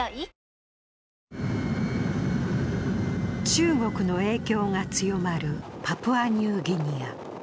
中国の影響が強まるパプアニューギニア。